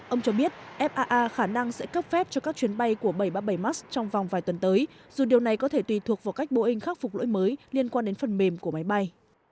ông cho biết faa khả năng sẽ cấp phép cho các chuyến bay của bảy trăm ba mươi bảy max trong vòng vài tuần tới dù điều này có thể tùy thuộc vào cách boeing khắc phục lỗi mới liên quan đến phần mềm của máy bay